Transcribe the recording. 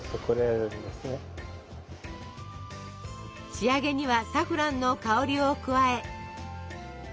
仕上げにはサフランの香りを加え。